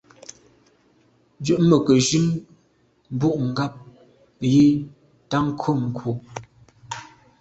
Ndù me ke jun mbumngab yi t’a kum nkù.